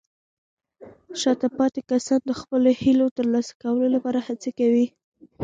شاته پاتې کسان د خپلو هیلو ترلاسه کولو لپاره هڅې کوي.